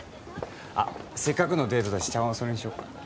あっせっかくのデートだし茶碗お揃いにしようか？